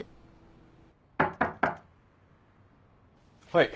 はい。